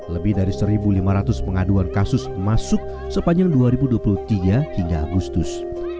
lebih dari satu lima ratus pengaduan kasus masuk sepanjang dua ribu dua puluh tiga hingga agustus